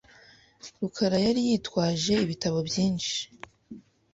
rukara yari yitwaje ibitabo byinshi .